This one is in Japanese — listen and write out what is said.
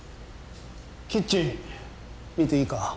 キッチン見ていいか？